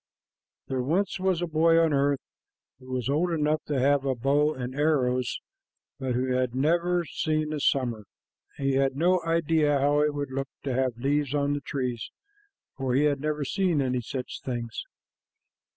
PART I. There was once a boy on the earth who was old enough to have a bow and arrows, but who had never seen a summer. He had no idea how it would look to have leaves on the trees, for he had never seen any such things.